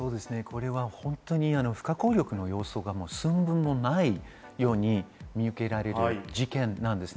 本当に不可抗力の要素が寸分もないように見受けられる事件なんです。